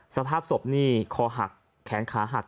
สภาพศพนี่คอหักแขนขาหัก